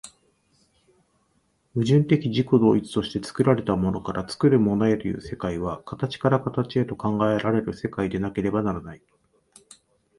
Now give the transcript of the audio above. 矛盾的自己同一として作られたものから作るものへという世界は、形から形へと考えられる世界でなければならない。